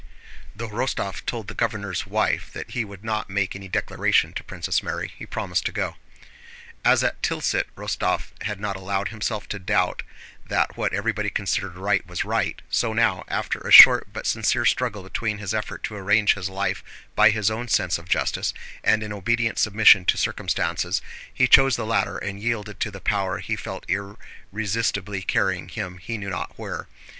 Though Rostóv told the governor's wife that he would not make any declaration to Princess Mary, he promised to go. As at Tilsit Rostóv had not allowed himself to doubt that what everybody considered right was right, so now, after a short but sincere struggle between his effort to arrange his life by his own sense of justice, and in obedient submission to circumstances, he chose the latter and yielded to the power he felt irresistibly carrying him he knew not where.